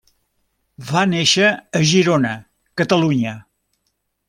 Va néixer a Girona, Catalunya.